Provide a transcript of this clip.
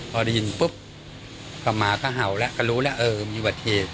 พอได้ยินปุ๊บก็มาก็เห่าแล้วก็รู้แล้วเออมีอุบัติเหตุ